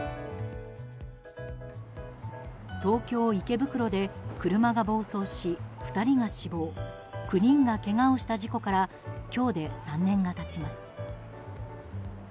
東京・池袋で車が暴走し２人が死亡９人がけがをした事故から今日で３年が経ちます。